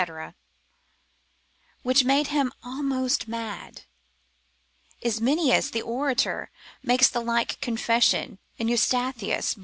which made him almost mad. Ismenias the orator makes the like confession in Eustathius, lib.